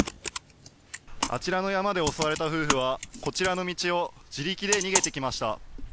あちらの山で襲われた夫婦はこちらの道を自力で逃げてきました。